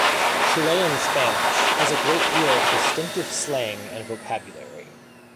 Chilean Spanish has a great deal of distinctive slang and vocabulary.